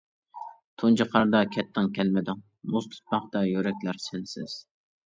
تۇنجى قاردا كەتتىڭ كەلمىدىڭ، مۇز تۇتماقتا يۈرەكلەر سەنسىز.